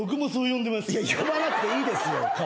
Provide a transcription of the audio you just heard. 呼ばなくていいですよ。